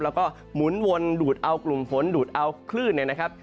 แล้วก็หมุนวนดูดเอากลุ่มฝนดูดเอาคลื่นเนี่ยนะครับ